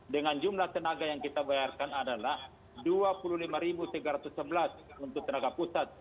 dengan jumlah tenaga yang kita bayarkan adalah rp dua puluh lima tiga ratus sebelas untuk tenaga pusat